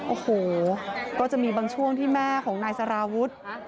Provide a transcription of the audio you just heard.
โอ้โหก็จะมีบางช่วงที่แม่ของนายสารวุฒิ